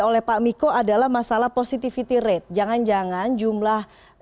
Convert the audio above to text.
karena ada tambahan juga dari timua yang lalu